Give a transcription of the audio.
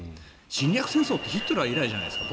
侵略戦争ってヒトラー以来じゃないですか。